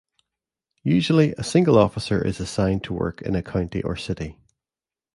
Usually a single officer is assigned to work in a county or city.